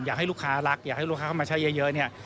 อยากให้ลูกค้ารักอยากให้ลูกค้าเข้ามาใช้เยอะเนี่ย